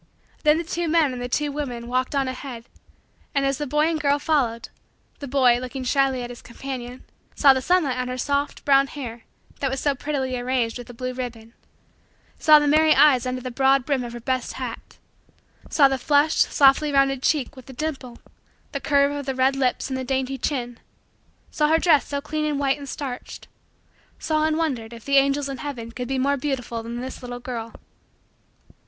Then the two men and the two women walked on ahead and, as the boy and girl followed, the boy, looking shyly at his companion, saw the sunlight on her soft, brown, hair that was so prettily arranged with a blue ribbon saw the merry eyes under the broad brim of her best hat saw the flushed, softly rounded, cheek with the dimple, the curve of the red lips, and the dainty chin saw her dress so clean and white and starched saw and wondered if the angels in heaven could be more beautiful than this little girl.